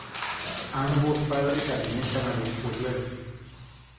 Ambos padres alimentan a los polluelos.